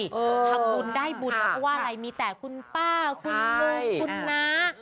ทำบุญได้บุญมาเพราะว่าอะไรมีแต่คุณป้าคุณลุงคุณน้า